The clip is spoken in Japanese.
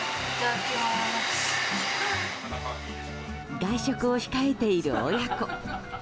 外食を控えている親子。